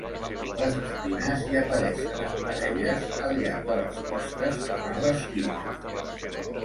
Les espines hi apareixen en parelles al llarg de les costes que fan les tiges.